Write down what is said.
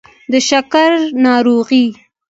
د شکر ناروغي